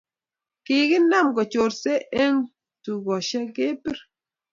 Kikinam ko chorse en tukoshek kebir